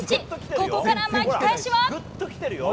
ここから巻き返しは？